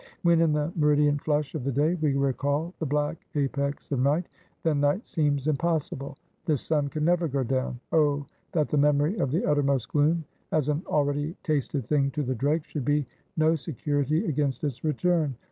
When in the meridian flush of the day, we recall the black apex of night; then night seems impossible; this sun can never go down. Oh that the memory of the uttermost gloom as an already tasted thing to the dregs, should be no security against its return.